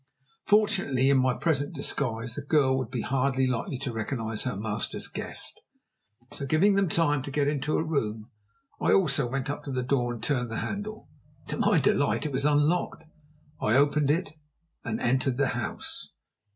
Fortunately, in my present disguise the girl would be hardly likely to recognize her master's guest. So giving them time to get into a room, I also went up to the door and turned the handle. To my delight it was unlocked. I opened it, and entered the house.